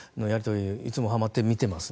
いつもハマって見ていますね。